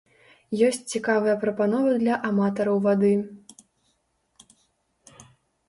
Ёсць цікавыя прапановы для аматараў вады.